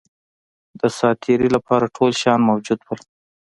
د سات تېري لپاره ټول شیان موجود وه.